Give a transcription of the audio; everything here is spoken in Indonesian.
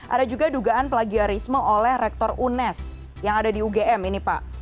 ada juga dugaan plagiarisme oleh rektor unes yang ada di ugm ini pak